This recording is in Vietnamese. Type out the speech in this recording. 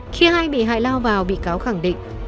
khi hai bị hại lao vào bị cáo khẳng định